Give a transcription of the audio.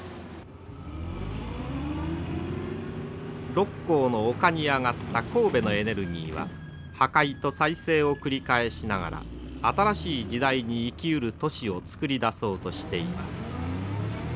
六甲の丘に上がった神戸のエネルギーは破壊と再生を繰り返しながら新しい時代に生きうる都市をつくり出そうとしています。